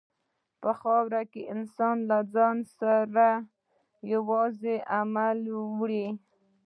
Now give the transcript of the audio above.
په خاوره کې انسان له ځان سره یوازې عمل وړي.